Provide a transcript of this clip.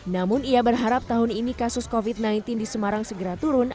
namun ia berharap tahun ini kasus covid sembilan belas di semarang segera turun